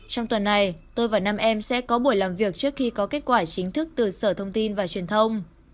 trong tuần này tôi và năm em sẽ có buổi làm việc trước khi có kết quả chính thức từ sở thông tin và truyền thông